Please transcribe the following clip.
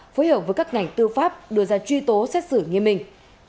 phối hợp với các ngành tư pháp đưa ra truy tố xét xử nghiêm minh